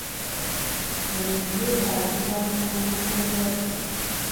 Ebintu byetaagibwa mu kulwanyisa endwadde.